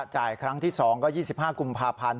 ครั้งที่๒ก็๒๕กุมภาพันธ์